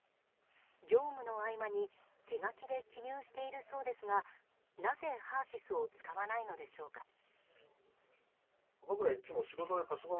業務の合間に手書きで記入しているそうですがなぜＨＥＲ‐ＳＹＳを使わないのでしょうか。